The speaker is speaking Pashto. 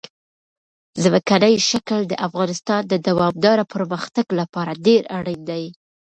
ځمکنی شکل د افغانستان د دوامداره پرمختګ لپاره ډېر اړین دي.